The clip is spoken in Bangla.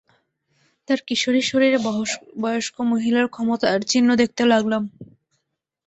তার কিশোরী শরীরে বয়স্ক মহিলার ক্ষমতা আর চিহ্ন দেখতে লাগলাম।